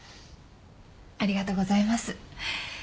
ありがとうございます。